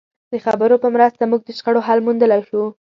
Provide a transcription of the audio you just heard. د خبرو په مرسته موږ د شخړو حل موندلای شو.